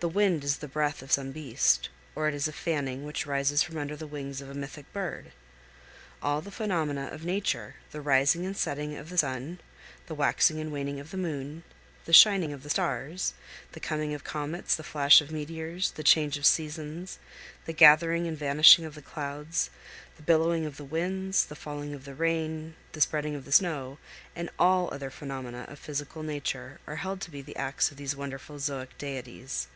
The wind is the breath of some beast, or it is a fanning which rises from under the wings of a mythic bird. All the phenomena of nature, the rising and setting of the sun, the waxing and waning of the moon, the shining of the stars, the coming of comets, the flash of meteors, the change of seasons, the gathering and vanishing of the clouds, the blowing of the winds, the falling of the rain, the spreading of the snow, and all other phenomena of physical nature, are held to be the acts of these wonderful zoic deities.